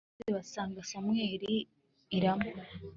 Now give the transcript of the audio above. maze basanga samweli i rama